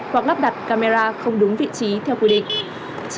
hoặc lắp đặt camera không đúng vị trí theo quy định